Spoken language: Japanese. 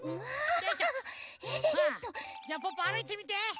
じゃあポッポあるいてみて。